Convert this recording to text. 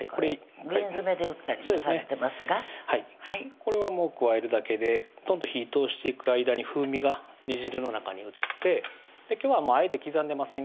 瓶詰で売ったりされてますがはいこれは加えるだけでほとんど火ぃ通していく間に風味が煮汁の中に移って今日はあえて刻んでません